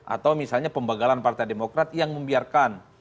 atau misalnya pembagalan partai demokrat yang membiarkan